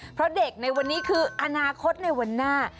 เพราะเด็กในวันนี้คืออนาคตในวันหน้า